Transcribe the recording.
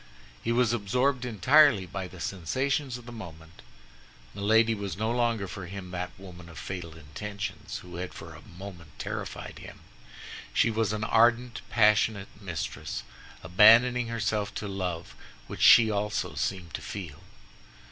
He was absorbed entirely by the sensations of the moment. Milady was no longer for him that woman of fatal intentions who had for a moment terrified him; she was an ardent, passionate mistress, abandoning herself to love which she also seemed to feel.